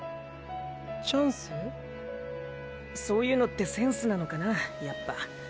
そういうのってセンスなのかなやっぱ。